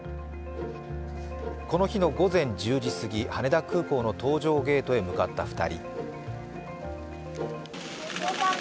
この日の午前１０時過ぎ、羽田空港の搭乗ゲートへ向かった２人。